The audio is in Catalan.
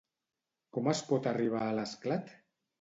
Com es pot arribar a l'Esclat?